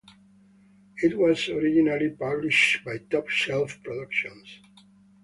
It was originally published by Top Shelf Productions.